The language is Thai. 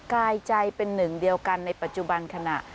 กายใจเป็นหนึ่งเดียวกันในปัจจุบันขณะ